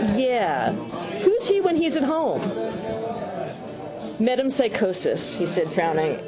—Yes. Who's he when he's at home? —Metempsychosis, he said, frowning.